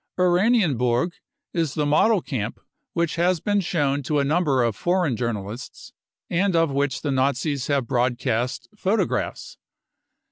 Oranienburg is the model camp which has been shown to a number of foreign journalists, and of which the Nazis have broadcast photographs.